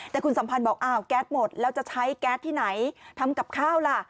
แต่คุณสัมพันธ์บอกอ้าวแก๊สหมดแล้วจะใช้แก๊สที่ไหนทำกับข้าวล่ะ